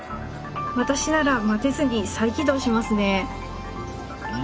私なら待てずに再起動しますね。